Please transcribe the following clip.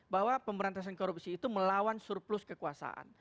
bahwa pemberantasan korupsi itu melawan surplus kekuasaan